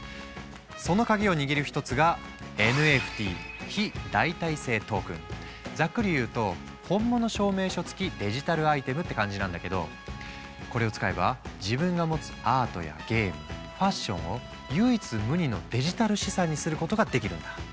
その鍵を握る一つがざっくり言うと本物証明書付きデジタルアイテムって感じなんだけどこれを使えば自分が持つアートやゲームファッションを唯一無二のデジタル資産にすることができるんだ。